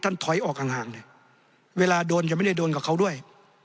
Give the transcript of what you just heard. ถอยออกห่างเลยเวลาโดนยังไม่ได้โดนกับเขาด้วย